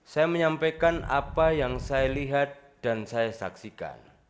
saya menyampaikan apa yang saya lihat dan saya saksikan